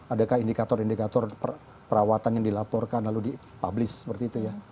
adakah indikator indikator perawatan yang dilaporkan lalu dipublish seperti itu ya